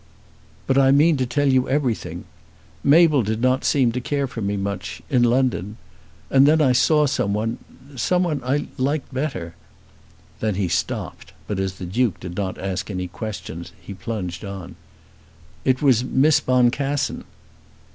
"But I mean to tell you everything. Mabel did not seem to care for me much in London. And then I saw someone, someone I liked better." Then he stopped, but as the Duke did not ask any questions he plunged on. "It was Miss Boncassen."